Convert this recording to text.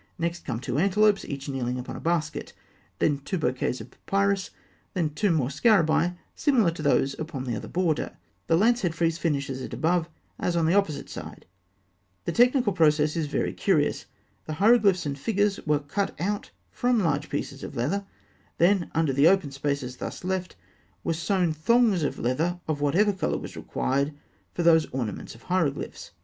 Next come two antelopes, each kneeling upon a basket; then two bouquets of papyrus; then two more scarabaei, similar to those upon the other border. The lance head frieze finishes it above, as on the opposite side. The technical process is very curious. The hieroglyphs and figures were cut out from large pieces of leather; then, under the open spaces thus left, were sewn thongs of leather of whatever colour was required for those ornaments or hieroglyphs.